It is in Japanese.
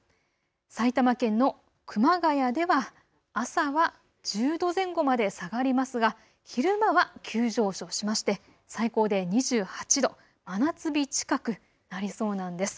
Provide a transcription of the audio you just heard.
埼玉県の熊谷では朝は１０度前後まで下がりますが昼間は急上昇しまして最高で２８度、真夏日近くなりそうなんです。